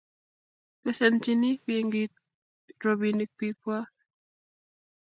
Besenchini benkit robinik biikwak.